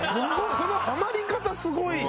そのハマり方すごいですよね。